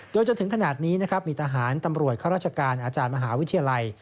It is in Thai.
โดยจนถึงขนาดนี้นะครับมีทหารตำรวจข้าราชการอาจารย์มหาวิทยาลัย